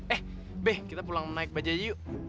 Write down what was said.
eh beh kita pulang naik bajaj yuk